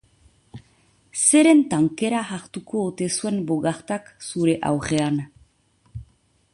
Zeren tankera hartuko ote zuen boggartak zure aurrean?